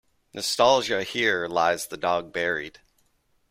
Nostalgia Here lies the dog buried.